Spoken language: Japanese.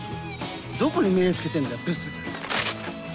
どこに目付けてんだよブスが！